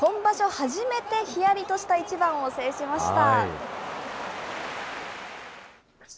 初めてひやりとした一番を制しました。